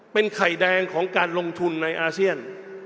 เป็นไข่แดงของการลงทุนในอาเซียน